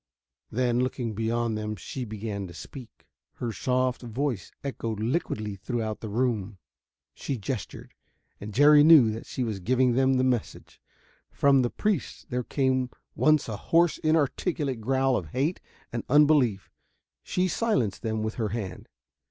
Then looking beyond them, she began to speak. Her soft voice echoed liquidly throughout the room. She gestured, and Jerry knew that she was giving them the message. From the priests there came once a hoarse, inarticulate growl of hate and unbelief. She silenced them with her hand.